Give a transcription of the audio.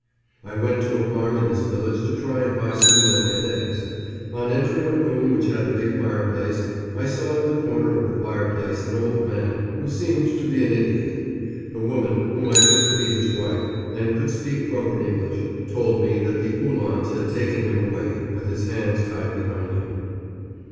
I went to a farm in this village to try and buy some milk and eggs. On entering a room which had a big fireplace, I saw in the corner of the fireplace an old man who seemed to be an idiot. A woman, whom I took to be his wife, and could speak broken English, told me that the Uhlans had taken him away, with his hands tied behind him.